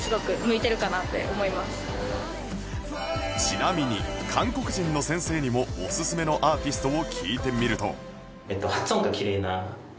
ちなみに韓国人の先生にもおすすめのアーティストを聞いてみると